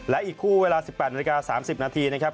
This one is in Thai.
และอีกคู่เวลา๑๘นาฬิกา๓๐นาทีนะครับ